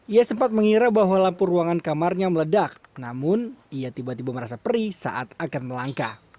ia sempat mengira bahwa lampu ruangan kamarnya meledak namun ia tiba tiba merasa perih saat akan melangkah